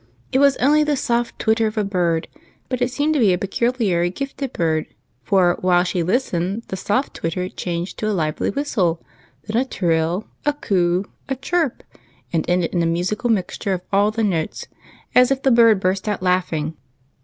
It was only the soft twitter of a bird, but it seemed to be a peculiarly gifted bird, for while she listened the soft twitter changed to a lively whistle, then a trill, a coo, a chirp, and ended in a musical mixt ure of all the notes, as if the bird burst out laughing.